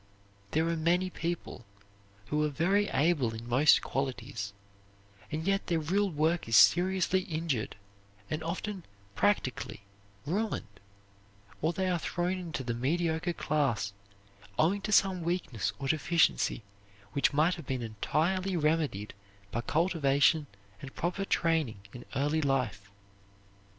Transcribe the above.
There are many people who are very able in most qualities and yet their real work is seriously injured and often practically ruined, or they are thrown into the mediocre class, owing to some weakness or deficiency which might have been entirely remedied by cultivation and proper training in earlier life.